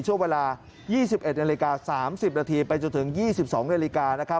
ช่วงเวลา๒๑นาฬิกา๓๐นาทีไปจนถึง๒๒นาฬิกานะครับ